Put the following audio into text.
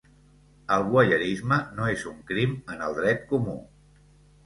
El voyeurisme no és un crim en el dret comú.